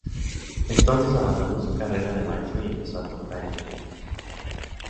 Entonces abandonó su carrera de maestro y empezó a tocar en el metro.